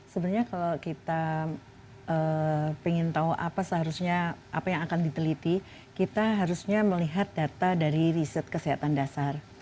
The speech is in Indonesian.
sebenarnya kalau kita ingin tahu apa seharusnya apa yang akan diteliti kita harusnya melihat data dari riset kesehatan dasar